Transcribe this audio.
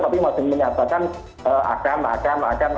tapi masih menyatakan akan akan